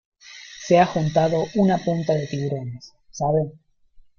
se ha juntado una punta de tiburones, ¿ sabe?